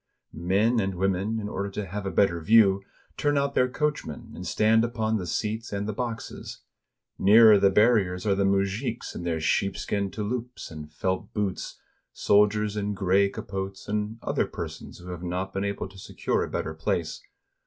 Men and women, in order to have a better view, turn out their coachmen, and stand upon the seats and the boxes. Nearer the bar riers are the mujiks in their sheepskin touloupes and felt boots, soldiers in gray capotes, and other persons who have not been able to secure a better place.